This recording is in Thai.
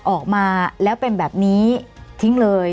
ออกมาแล้วเป็นแบบนี้ทิ้งเลย